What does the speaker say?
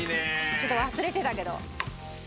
ちょっと忘れてたけど。